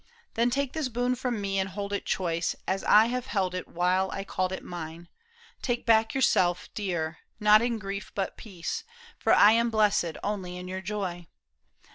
Then take this boon from me and hold it choice, As I have held it while I called it mine, Take back yourself, dear ; not in grief but peace. For I am blessed only in your joy.